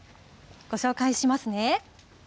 ご紹介しますね。